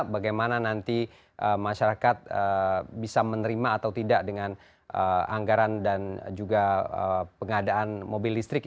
bagaimana nanti masyarakat bisa menerima atau tidak dengan anggaran dan juga pengadaan mobil listrik